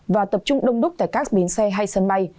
và tập trung đông đúc tại các bến xe hay sân bay